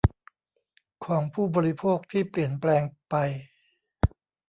ของผู้บริโภคที่เปลี่ยนแปลงไป